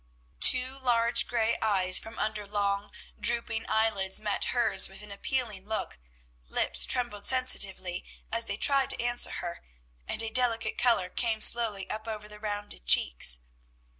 Two large gray eyes from under long, drooping eyelids met hers with an appealing look; lips trembled sensitively as they tried to answer her, and a delicate color came slowly up over the rounded cheeks.